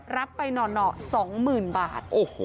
รับไปหน่อ๒๐๐๐บาท